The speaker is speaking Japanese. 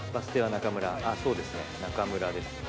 そうですね中村ですね。